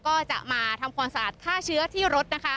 ก็จะมาทำความสะอาดฆ่าเชื้อที่รถนะคะ